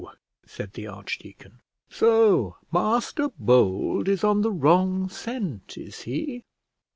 said the archdeacon; "so Master Bold is on the wrong scent, is he?"